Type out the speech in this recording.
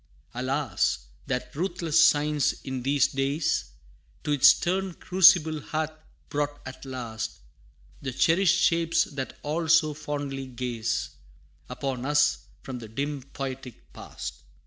Alas! that ruthless science in these days, To its stern crucible hath brought at last, The cherished shapes that all so fondly gaze Upon us from the dim poetic past!